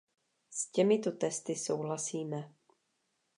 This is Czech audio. S těmito testy souhlasíme.